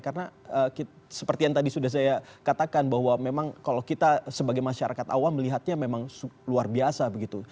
karena seperti yang tadi sudah saya katakan bahwa memang kalau kita sebagai masyarakat awam melihatnya memang luar biasa begitu